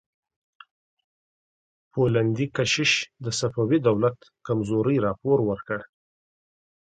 پولندي کشیش د صفوي دولت کمزورۍ راپور ورکړ.